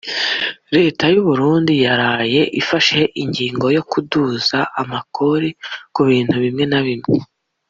Leta y’u Burundi yaraye ifashe ingingo y’ukuduza amakori ku bintu bimwe bimwe